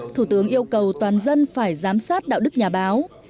thủ tướng yêu cầu toàn dân phải giám sát đạo đức nhà báo